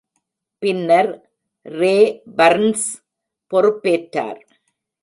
பின்னர் Ray Burns பொறுப்பேற்றார்.